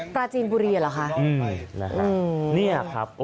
ปลาจีนบุรีหรอคะ